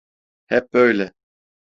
Hep böyle…